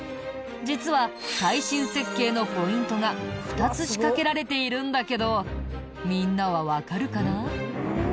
実は耐震設計のポイントが２つ仕掛けられているんだけどみんなはわかるかな？